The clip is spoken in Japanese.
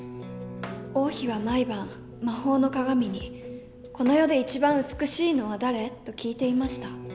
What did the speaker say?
王妃は毎晩魔法の鏡に「この世で一番美しいのは誰？」と聞いていました。